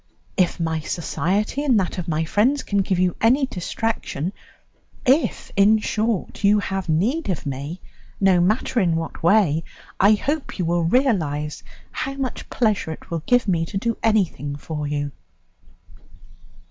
If my society and that of my friends can give you any distraction, if, in short, you have need of me, no matter in what way, I hope you will realize how much pleasure it will give me to do anything for you."